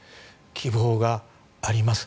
希望があります。